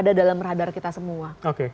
ada dalam radar kita semua